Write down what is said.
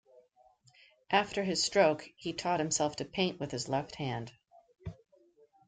After his stroke, he taught himself to paint with his left hand.